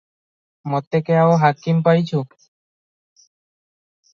ମୋତେ କି ଆଉ ହାକିମ ପାଇଛୁ?